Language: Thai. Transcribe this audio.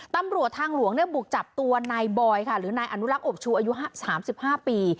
ตำรวจทางหลวงเนี่ยบุกจับตัวนายบอยค่ะหรือนายอนุรักษ์อบชูอายุห้าสามสิบห้าปี